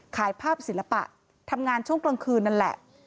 ขายภาพศิลปะทำงานช่วงกลางคืนนั่นแหละ